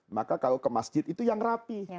maka kalau ke masjid itu yang rapi